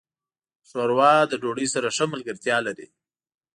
ښوروا له ډوډۍ سره ښه ملګرتیا لري.